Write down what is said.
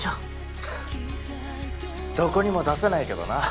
ふふっどこにも出せないけどな。